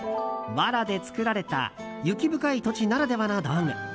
わらで作られた雪深い土地ならではの道具。